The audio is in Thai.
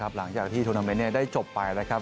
หลังจากที่โทรนาเมนต์ได้จบไปนะครับ